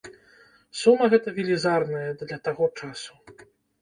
Сума гэтая велізарная для таго часу.